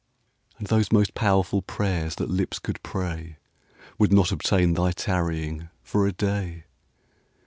And those most powerful prayers that lips could prayWould not obtain thy tarrying for a day.